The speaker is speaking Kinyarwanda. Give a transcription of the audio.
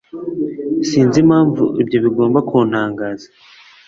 Sinzi impamvu ibyo bigomba kuntangaza.